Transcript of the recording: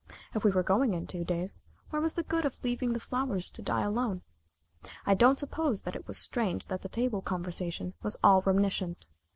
If we were going in two days, where was the good of leaving the flowers to die alone? I don't suppose that it was strange that the table conversation was all reminiscent.